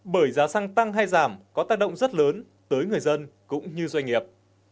bởi giá xăng tăng hay giảm có tác động rất lớn tới người dân cũng như doanh nghiệp